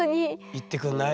行ってくんない？と。